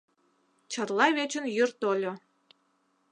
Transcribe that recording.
Чарла вечын йӱр тольо.